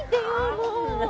もう。